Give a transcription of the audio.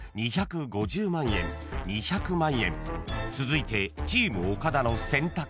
［続いてチーム岡田の選択は］